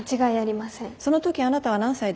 その時あなたは何歳でしたか？